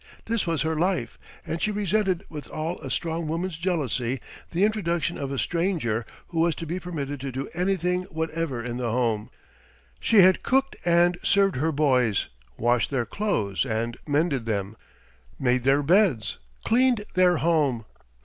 This was her life, and she resented with all a strong woman's jealousy the introduction of a stranger who was to be permitted to do anything whatever in the home. She had cooked and served her boys, washed their clothes and mended them, made their beds, cleaned their home.